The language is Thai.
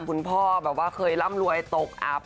คุณพ่อแบบว่าเคยร่ำรวยตกอับ